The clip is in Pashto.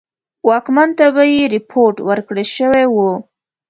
واکمن ته به یې رپوټ ورکړه سوی وو.